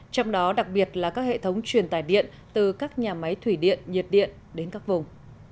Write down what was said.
trong đó đặc biệt là các hệ thống truyền tải điện từ các nhà máy thủy điện nhiệt điện đến các vùng